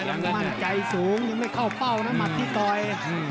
ยังมั่นใจสูงยังไม่เข้าเป้านะหมัดที่ต่อย